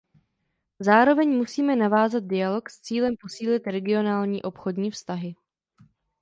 Zároveň musíme navázat dialog s cílem posílit regionální obchodní vztahy.